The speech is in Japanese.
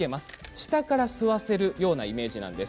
下から吸わせるようなイメージなんです。